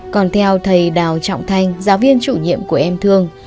còn theo thầy đào trọng thanh giáo viên chủ nhiệm của em thương